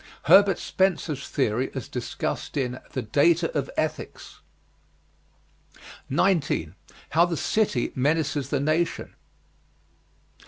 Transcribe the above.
Herbert Spencer's theory as discussed in "The Data of Ethics." 19. HOW THE CITY MENACES THE NATION.